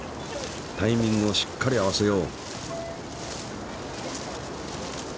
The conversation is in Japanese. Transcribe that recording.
タイミングをしっかり合わせよう。